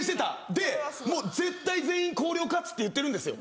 でもう絶対全員広陵勝つって言ってるんですよ。